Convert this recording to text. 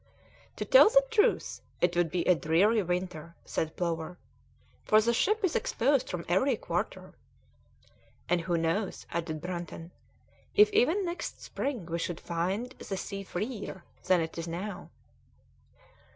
"To tell you the truth, it would be a dreary winter," said Plover, "for the ship is exposed from every quarter." "And who knows," added Brunton, "if even next spring we should find the sea freer than it is now?"